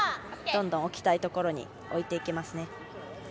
どんどん置きたいところに置いていきますね。